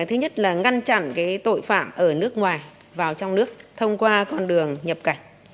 thứ nhất là ngăn chặn tội phạm ở nước ngoài vào trong nước thông qua con đường nhập cảnh